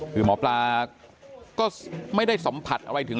คือหมอปลาก็ไม่ได้สัมผัสอะไรถึง